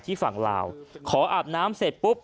ฝั่งลาวขออาบน้ำเสร็จปุ๊บ